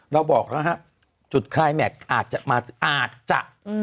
เราบอกครับจุดคลายแมทกอาจจะฯ